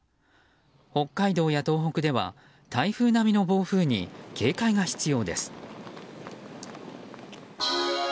北海道や東北では台風並みの暴風に警戒が必要です。